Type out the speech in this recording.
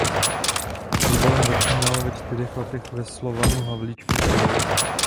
S fotbalem začínal ve čtyřech letech ve Slovanu Havlíčkův Brod.